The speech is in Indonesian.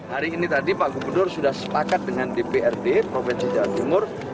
hari ini tadi pak gubernur sudah sepakat dengan dprd provinsi jawa timur